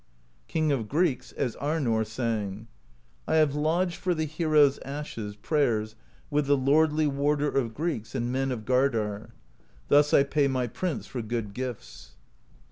King of Greeks, as Arnorr sang: I have lodged for the hero's ashes Prayers with the Lordly Warder Of Greeks and men of Gardar: Thus I pay my Prince for good gifts.